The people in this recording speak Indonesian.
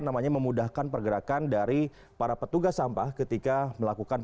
ini diharapkan bisa juga memudahkan pergerakan dari para petugas sampah ketika melakukan pembuatan